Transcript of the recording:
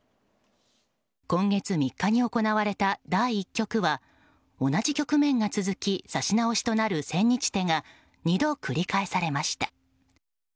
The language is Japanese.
今月３日に行われた第１局は同じ局面が続き指し直しとなる千日手が２度繰り返されました。